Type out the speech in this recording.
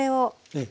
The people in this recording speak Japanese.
ええ。